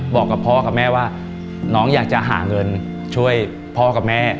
บอกกับพ่อกับแม่ว่าน้องอยากจะหาเงินช่วยพ่อกับแม่